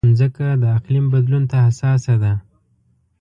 مځکه د اقلیم بدلون ته حساسه ده.